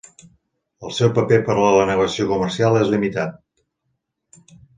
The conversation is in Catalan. El seu paper per a la navegació comercial és limitat.